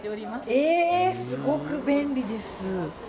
すごく便利です。